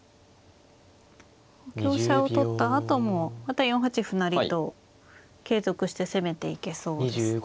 香車を取ったあともまた４八歩成と継続して攻めていけそうですね。